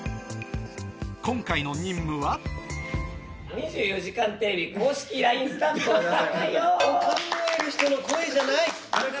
今回の任務はガラガラの声考える人の声じゃない！